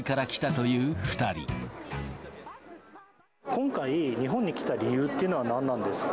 今回、日本に来た理由っていうのは何なんですか？